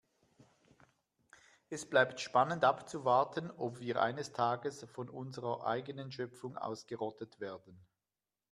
Es bleibt spannend abzuwarten, ob wir eines Tages von unserer eigenen Schöpfung ausgerottet werden.